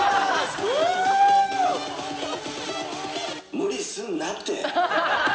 「無理すんなって」。